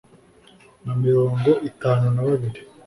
na mirongo itanu na babiri